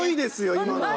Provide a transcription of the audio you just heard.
今のは。